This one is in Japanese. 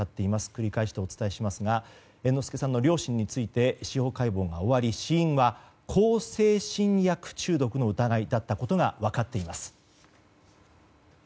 繰り返してお伝えしますが猿之助さんの両親について司法解剖が終わり死因は向精神薬中毒の疑いだったことが分かっています。